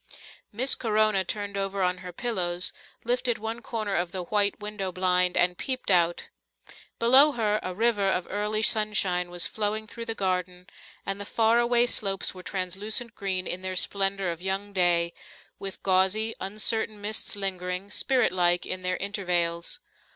Miss Corona turned over on her pillows, lifted one corner of the white window blind and peeped out. Below her a river of early sunshine was flowing through the garden, and the far away slopes were translucent green in their splendour of young day, with gauzy, uncertain mists lingering, spiritlike, in their intervales.